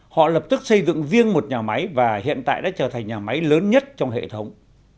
họ lập tức xây dựng riêng một nhà máy và hiện tại đã trở thành nhà máy lớn nhất trong hệ thống